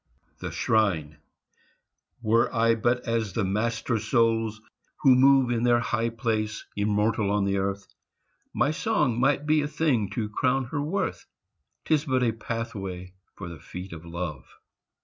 THE SHRINE Were I but as the master souls who move In their high place, immortal on the earth, My song might be a thing to crown her worth, 'Tis but a pathway for the feet of Love.